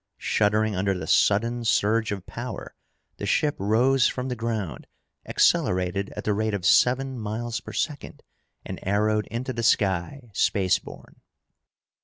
Shuddering under the sudden surge of power, the ship rose from the ground, accelerated at the rate of seven miles per second, and arrowed into the sky, space borne!